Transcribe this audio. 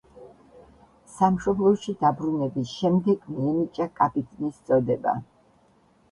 სამშობლოში დაბრუნების შემდეგ მიენიჭა კაპიტნის წოდება.